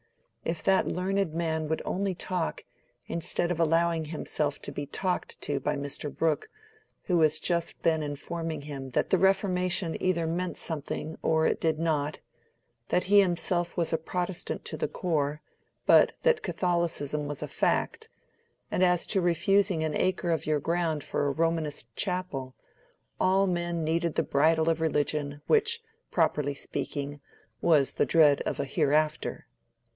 —if that learned man would only talk, instead of allowing himself to be talked to by Mr. Brooke, who was just then informing him that the Reformation either meant something or it did not, that he himself was a Protestant to the core, but that Catholicism was a fact; and as to refusing an acre of your ground for a Romanist chapel, all men needed the bridle of religion, which, properly speaking, was the dread of a Hereafter.